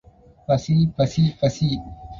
பசி… பசி… பசி.